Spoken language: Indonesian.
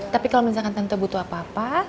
tapi kalau misalkan tentu butuh apa apa